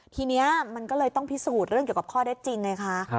ทีนี้มันก็เลยต้องพิสูจน์เรื่องเกี่ยวกับข้อได้จริงไงคะ